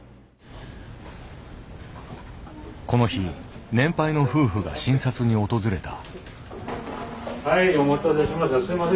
この日年配の夫婦が診察に訪れた。